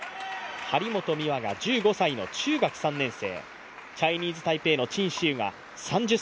張本美和が１５歳の中学３年生。